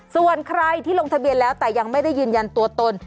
ส่วนใครที่ลงทะเบียนแล้วแต่ยังไม่ได้ยืนยันตัวตน